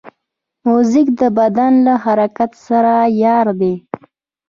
موزیک د بدن له حرکت سره یار دی.